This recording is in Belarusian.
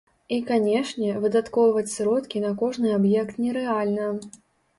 І, канешне, выдаткоўваць сродкі на кожны аб'ект нерэальна.